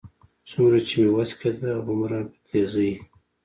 څومره چې مې وس کېده، هغومره په تېزۍ.